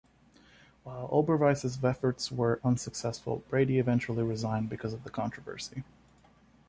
While Oberweis's efforts were unsuccessful, Brady eventually resigned because of the controversy.